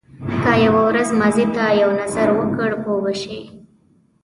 که یو ورځ ماضي ته یو نظر وکړ پوه به شې.